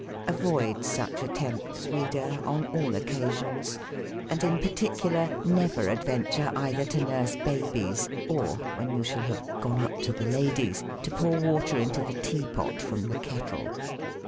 Avoid such attempts, reader, on all occasions: and in particular never adventure eitlier to nurse babies, or (when you shall have "gone up to the ladies") to pour water into the tea pot from the kettle.